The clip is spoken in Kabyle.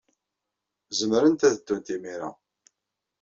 Zemrent ad ddunt imir-a.